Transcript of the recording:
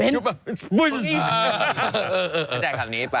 เหนือแค่ขับนี้ไป